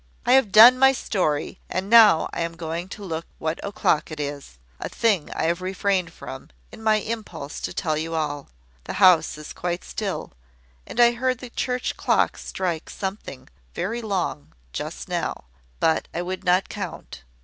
"I have done my story; and now I am going to look what o'clock it is a thing I have refrained from, in my impulse to tell you all. The house is quite still, and I heard the church clock strike something very long just now; but I would not count.